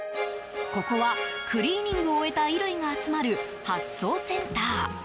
ここは、クリーニングを終えた衣類が集まる発送センター。